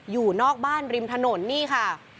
อยู่นอกบ้านริมถนนนี่ค่ะ